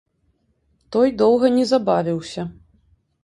Той доўга не забавіўся.